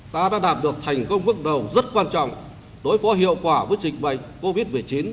ta đã đạt được thành công bước đầu rất quan trọng đối phó hiệu quả với dịch bệnh covid một mươi chín